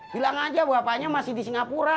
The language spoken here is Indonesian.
bilang aja bapaknya masih di singapura